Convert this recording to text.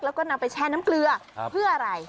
แล้วก็นำไปแช่น้ำเกลือเพื่ออะไร